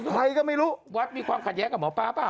ใครก็ไม่รู้วัดมีความขัดแย้งกับหมอปลาเปล่า